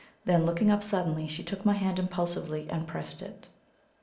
Then, looking up suddenly, she took my hand impulsively, and pressed it.